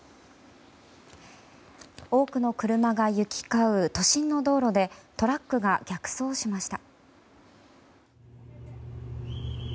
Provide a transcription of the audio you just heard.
多くの車が行き交う都心の道路でトラックが逆走しました。